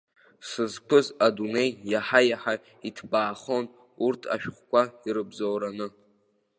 Сызқәыз адунеи иаҳа-иаҳа иҭбаахон урҭ ашәҟәқәа ирыбзоураны.